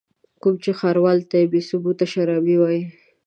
کوم چې ښاروال ته بې ثبوته شرابي وايي.